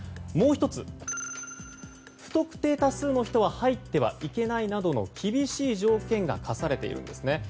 もう１つ、不特定多数の人は入ってはいけないなどの厳しい条件が課されているんですね。